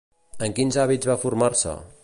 En quins àmbits va formar-se?